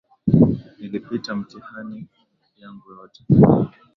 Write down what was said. Nilipita mitihani yangu yote